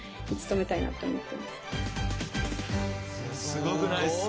すごくないですか？